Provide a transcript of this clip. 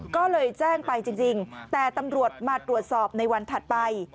ก็เลยแจ้งไปจริงแต่ตำรวจมาตรวจสอบในวันถัดไป